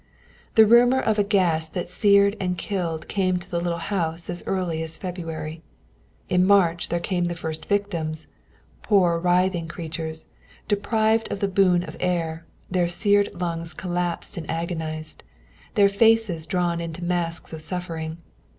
The rumor of a gas that seared and killed came to the little house as early as February. In March there came the first victims, poor writhing creatures, deprived of the boon of air, their seared lungs collapsed and agonized, their faces drawn into masks of suffering.